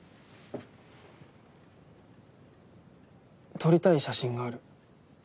撮りたい写真がある。